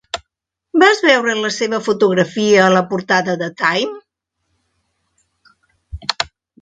Vas veure la seva fotografia a la portada de Time?